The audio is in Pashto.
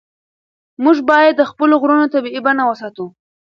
موږ باید د خپلو غرونو طبیعي بڼه وساتو.